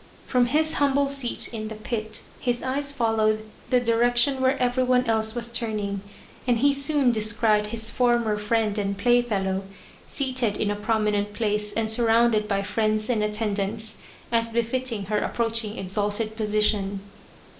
From his humble seat in the pit, his eyes followed the direction where everyone else was turning, and he soon descried his former friend and playfellow, seated in a prominent place and surrounded by friends and attendants as befitting her approaching exalted position.